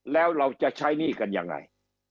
แล้วเราจะใช้หนี้กันยังไง